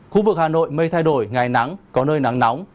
khu vực hà nội mây thay đổi ngày nắng có nơi nắng nóng